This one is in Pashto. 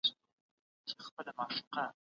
سياستپوهنه بايد په ټولنه کي مطالعه سي.